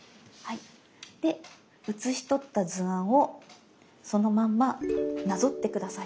で写しとった図案をそのまんまなぞって下さい。